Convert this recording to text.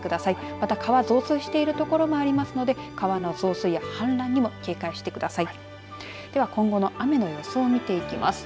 また川、増水している所もありますので川の増水やはん濫にも警戒してください。